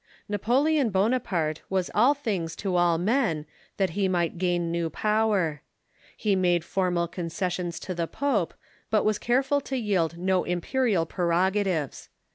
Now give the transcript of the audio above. Napoleon Bonaparte was all things to all men, that he might gain new power. He made formal concessions to the pope, but "was careful to yield no imperial prerogatives.